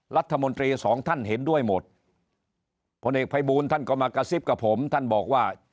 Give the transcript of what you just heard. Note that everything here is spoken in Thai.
รัฐมนตรีสองท่านเห็นด้วยหมดผลเอกภัยบูลท่านก็มากระซิบกับผมท่านบอกว่า